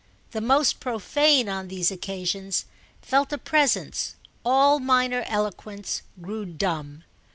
The most profane, on these occasions, felt a presence; all minor eloquence grew dumb.